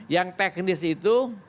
yang teknis itu